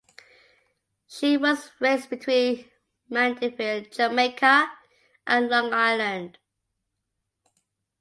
She was raised between Mandeville, Jamaica, and Long Island.